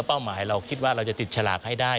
เป้าหมายเราคิดว่าเราจะติดฉลากให้ได้